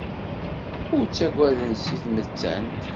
Ur ttagaden seg tmettant.